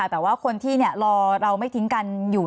แต่ว่าคนที่รอเราไม่ทิ้งกันอยู่